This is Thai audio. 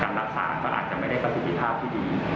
รักษาก็อาจจะไม่ได้ประสิทธิภาพที่ดี